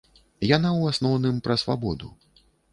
Яна ў асноўным пра свабоду.